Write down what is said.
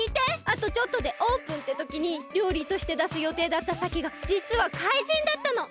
あとちょっとでオープンってときにりょうりとしてだすよていだったさけがじつはかいじんだったの！